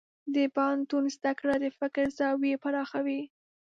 د پوهنتون زده کړه د فکر زاویې پراخوي.